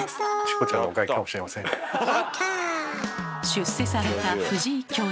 出世された藤井教授。